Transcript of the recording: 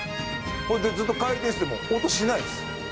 こうやってずっと回転してても音しないんです。